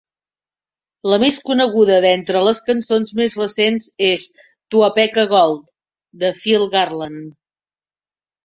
La més coneguda de entre les cançons més recents és "Tuapeka Gold", de Phil Garland.